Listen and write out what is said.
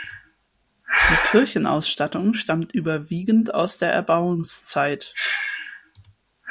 Die Kirchenausstattung stammt überwiegend aus der Erbauungszeit.